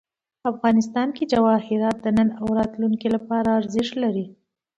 افغانستان کې جواهرات د نن او راتلونکي لپاره ارزښت لري.